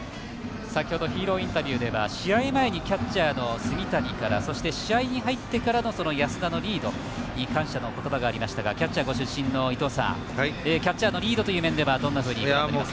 先ほどヒーローインタビューでは試合前にキャッチャーの炭谷からそして試合に入ってからの安田のリードに感謝の言葉がありましたがキャッチャーご出身の伊東さんキャッチャーのリードという面ではどんなふうに考えますか？